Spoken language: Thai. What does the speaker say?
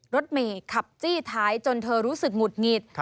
รถเมย์ขับจี้ท้ายจนเธอรู้สึกหงุดหงิด